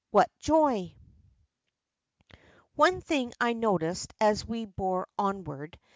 What joy ! One thing I noticed as we bore onward.